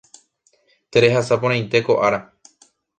Terehasaporãite ko ára